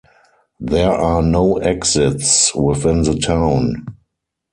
There are no exits within the town.